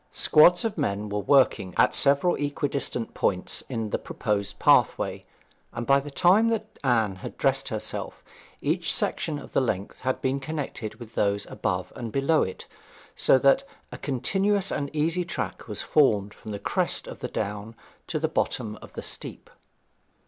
Squads of men were working at several equidistant points in the proposed pathway, and by the time that Anne had dressed herself each section of the length had been connected with those above and below it, so that a continuous and easy track was formed from the crest of the down to the bottom of the steep.